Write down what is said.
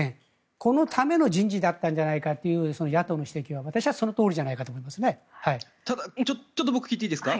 このための人事だったんじゃないかという野党の指摘は私はそのとおりじゃないかと思いますね。